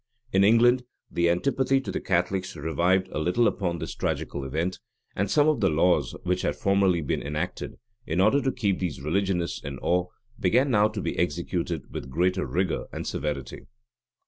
In England, the antipathy to the Catholics revived a little upon this tragical event; and some of the laws which had formerly been enacted, in order to keep these religionists in awe, began now to be executed with greater rigor and severity.